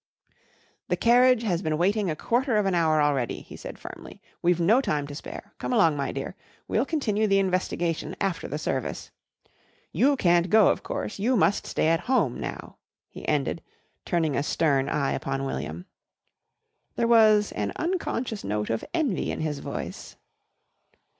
] "The carriage has been waiting a quarter of an hour already," he said firmly. "We've no time to spare. Come along, my dear. We'll continue the investigation after the service. You can't go, of course, you must stay at home now," he ended, turning a stern eye upon William. There was an unconscious note of envy in his voice.